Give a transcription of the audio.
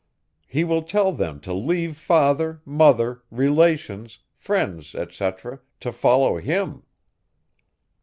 He will tell them to leave father, mother, relations, friends, etc., to follow him.